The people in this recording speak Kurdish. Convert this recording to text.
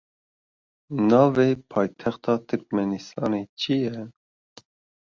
Navê paytexta Tirkmenistanê çi ye?